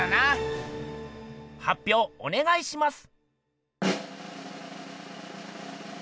はっぴょうおねがいします。